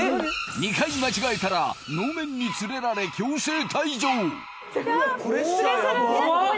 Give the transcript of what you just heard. ２回間違えたら能面に連れられ強制退場いや